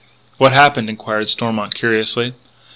"What happened?" inquired Stormont curiously.